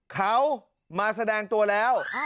เขามาแสดงตัวแล้ว